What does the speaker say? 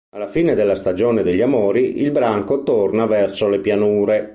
Alla fine della stagione degli amori il branco torna verso le pianure.